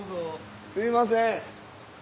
すみません。